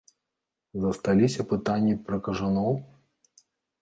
Засталіся пытанні пра кажаноў?